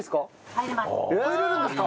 入れるんですか？